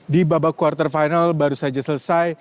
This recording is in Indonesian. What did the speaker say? di babak quarter final baru saja selesai